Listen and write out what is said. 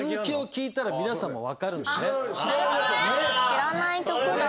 知らない曲だった。